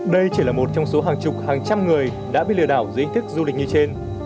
đây chỉ là một trong số hàng chục hàng trăm người đã bị lừa đảo dưới hình thức du lịch như trên